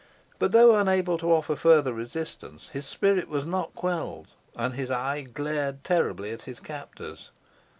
But though unable to offer further resistance, his spirit was not quelled, and his eye glared terribly at his captors.